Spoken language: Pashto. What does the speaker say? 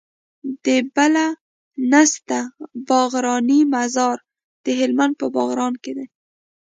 د بله نسته باغرانی مزار د هلمند په باغران کي دی